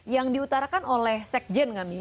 yang diutarakan oleh sekjen kami